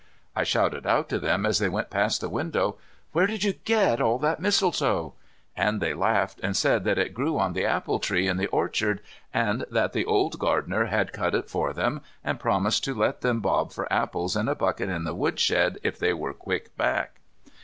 I shouted out to them as they went past the window, "Where did you get all that mistletoe?" And they laughed and said that it grew on the apple tree in the orchard, and that the old gardener had cut it for them, and promised to let them bob for apples in a bucket in the wood shed if they were quick back.